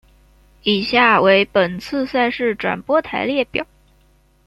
以下为本次赛事转播台列表。